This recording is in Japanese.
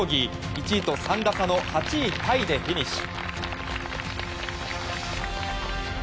１位と３打差の８位タイでフィニッシュ。